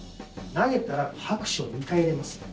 投げたら拍手を２回入れます。